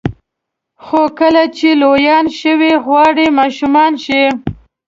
خو کله چې لویان شوئ غواړئ ماشومان شئ.